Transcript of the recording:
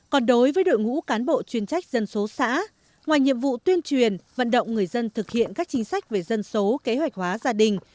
còn đối với đội ngũ cán bộ chuyên trách dân số xã ngoài nhiệm vụ tuyên truyền vận động người dân thực hiện các chính sách về dân số kế hoạch hóa gia đình